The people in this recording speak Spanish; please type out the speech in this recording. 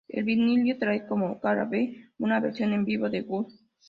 El vinilo trae como "cara B" una versión en vivo de Gun.